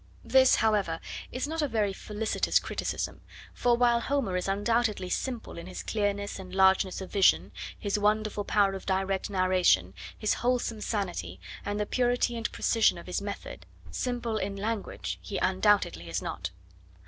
This, however, is not a very felicitous criticism, for while Homer is undoubtedly simple in his clearness and largeness of vision, his wonderful power of direct narration, his wholesome sanity, and the purity and precision of his method, simple in language he undoubtedly is not.